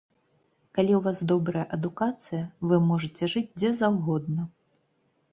Калі ў вас добрая адукацыя, вы можаце жыць дзе заўгодна.